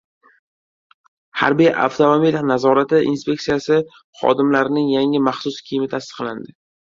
Harbiy avtomobil nazorati inspeksiyasi xodimlarining yangi maxsus kiyimi tasdiqlandi